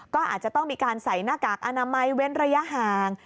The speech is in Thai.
ก็อาจจะต้องมีการใส่หน้ากากอนามัยเว้นระยะห่าง